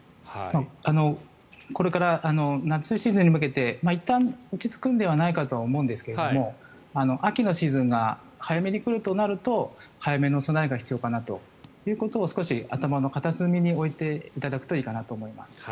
これから夏シーズンに向けていったん落ち着くんではないかと思いますが秋のシーズンが早めに来るとなると早めの備えが必要かなということを少し頭の片隅に置いていただくといいかなと思います。